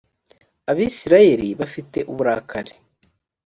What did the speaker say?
abisirayeli bafite uburakari.